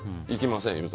行きません